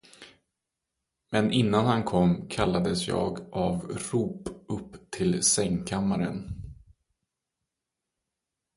Men innan han kom, kallades jag av rop upp till sängkammaren.